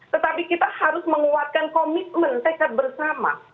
tetapi kita harus menguatkan komitmen tekad bersama